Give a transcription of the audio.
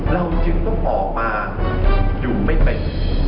เราจึงต้องออกมาอยู่ไม่เป็น